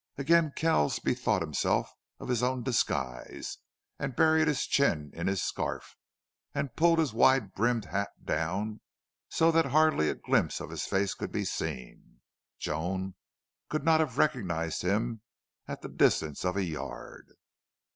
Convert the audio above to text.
Again Kells bethought himself of his own disguise, and buried his chin in his scarf and pulled his wide brimmed hat down so that hardly a glimpse of his face could be seen. Joan could not have recognized him at the distance of a yard.